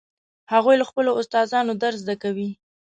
هغوی له خپلو استادانو درس زده کوي